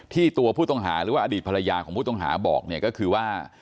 ตัวผู้ต้องหาหรือว่าอดีตภรรยาของผู้ต้องหาบอกเนี่ยก็คือว่า